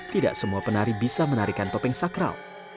tidak semua penari bisa menarikan topeng sakral